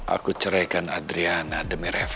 aku ceraikan adriana demi reva